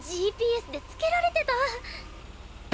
ＧＰＳでつけられてた！